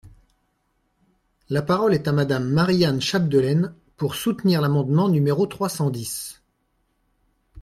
La parole est à Madame Marie-Anne Chapdelaine, pour soutenir l’amendement numéro trois cent dix.